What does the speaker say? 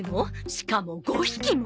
しかも５匹も。